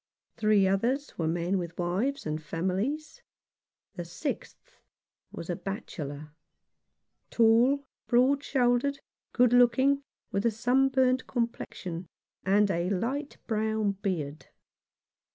Three others were men with wives and families. The sixth was a bachelor, tall, broad shouldered, good looking, with a sunburnt complexion, and a light brown beard.